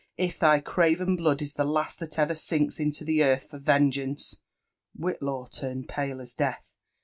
if thy craven blood is the last that ever sinks into the earth for vengeance 1" Whitlaw fomed pale as death.